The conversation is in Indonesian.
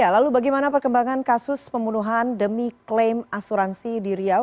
lalu bagaimana perkembangan kasus pembunuhan demi klaim asuransi di riau